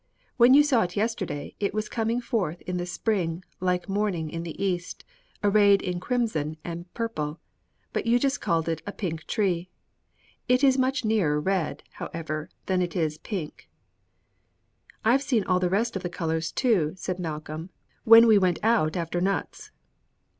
When you saw it yesterday, it was coming forth in the spring, like morning in the east, arrayed in crimson and purple,' but you just called it a pink tree. It is much nearer red, however, than it is pink." "I've seen all the rest of the colors, too," said Malcolm, "when we went out after nuts."